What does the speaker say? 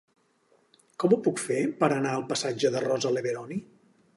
Com ho puc fer per anar al passatge de Rosa Leveroni?